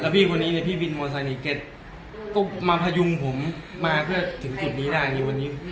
โปรดติดตามต่อไป